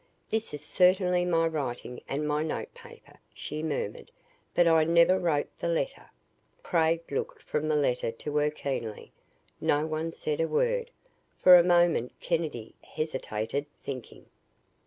"This is certainly my writing and my notepaper," she murmured, "but I never wrote the letter!" Craig looked from the letter to her keenly. No one said a word. For a moment Kennedy hesitated, thinking.